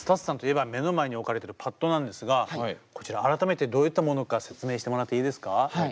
ＳＴＵＴＳさんといえば目の前に置かれてるパッドなんですがこちら改めてどういったものか説明してもらっていいですか？